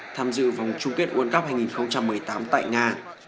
tham dự vòng chung kết world cup hai nghìn một mươi tám tại nga